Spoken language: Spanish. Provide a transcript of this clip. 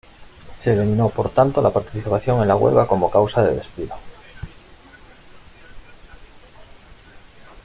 Se eliminó por tanto la participación en la huelga como causa de despido.